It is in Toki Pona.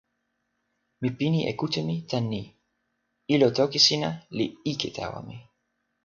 mi pini e kute mi tan ni: ilo toki sina li ike tawa mi.